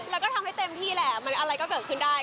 แล้วก็ทำให้เต็มที่แหละมันอะไรก็เกิดขึ้นได้